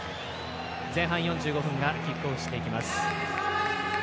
前半４５分がキックオフしていきます。